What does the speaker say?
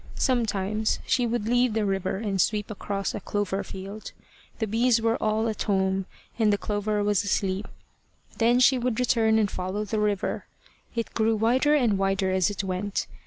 Sometimes she would leave the river and sweep across a clover field. The bees were all at home, and the clover was asleep. Then she would return and follow the river. It grew wider and wider as it went.